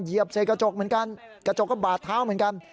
ใส่กระจกเหมือนกันกระจกก็บาดเท้าเหมือนกัน